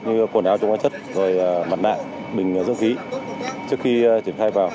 như quần áo chống hoa chất rồi mặt nạ bình dưỡng khí trước khi triển khai vào